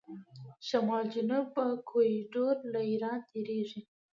شمال جنوب کوریډور له ایران تیریږي.